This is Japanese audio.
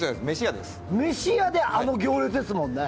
飯屋であの行列ですもんね。